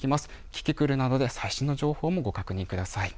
キキクルなどで最新の情報もご確認ください。